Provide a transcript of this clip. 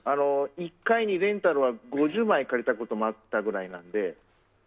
１回にレンタルは５０枚を借りたこともあったぐらいなので。